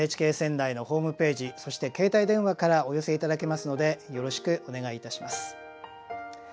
ＮＨＫ仙台のホームページそして携帯電話からお寄せいただけますのでよろしくお願いいたします。